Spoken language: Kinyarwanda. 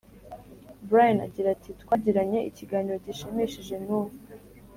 Brian agira ati twagiranye ikiganiro gishimishije n uwo